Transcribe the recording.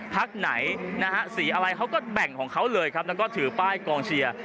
พักไหนนะฮะสีอะไรเขาก็แบ่งของเขาเลยครับแล้วก็ถือป้ายกองเชียร์